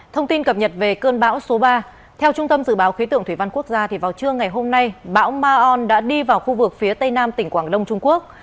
thông tin cập nhật về cơn bão số ba theo trung tâm dự báo khí tượng thủy văn quốc gia vào trưa ngày hôm nay bão ma on đã đi vào khu vực phía tây nam tỉnh quảng đông trung quốc